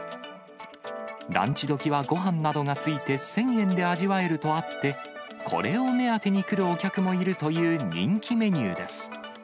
ランチどきはごはんなどが付いて、１０００円で味わえるとあって、これを目当てに来るお客もいるという人気メニューです。